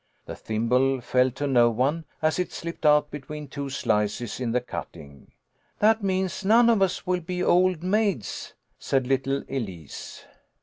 The thimble fell to no one, as it slipped out between two slices in the cutting. " That means none of us will be old maids," said little Elise.